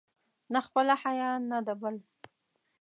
نه خپله حیا، نه د بل.